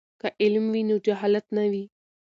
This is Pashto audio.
که علم وي نو جهالت نه وي.